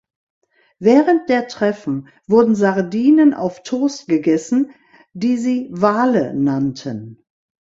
Während der Treffen wurden Sardinen auf Toast gegessen, die sie „Wale“ nannten.